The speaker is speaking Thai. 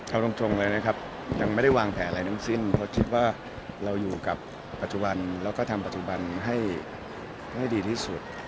เอาตรงเลยนะครับยังไม่ได้วางแผนอะไรทั้งสิ้นเพราะคิดว่าเราอยู่กับปัจจุบันแล้วก็ทำปัจจุบันให้ดีที่สุด